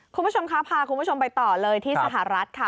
คุณผู้ชมคะพาคุณผู้ชมไปต่อเลยที่สหรัฐค่ะ